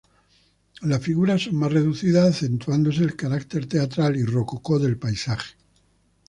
Las figuras son más reducidas, acentuándose el carácter teatral y rococó del paisaje.